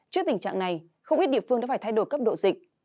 trước tình trạng này không ít địa phương đã phải thay đổi cấp độ dịch